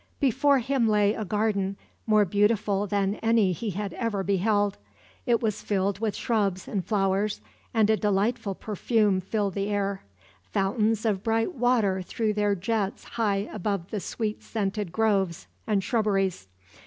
Before him lay a garden, more beautiful than any he had ever beheld. It was filled with shrubs and flowers, and a delightful perfume filled the air. Fountains of bright water threw their jets high above the sweet scented groves and shrubberies.